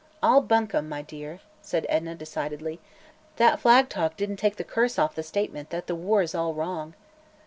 "All buncombe, my dear," said Edna decidedly. "That flag talk didn't take the curse off the statement that the war is all wrong."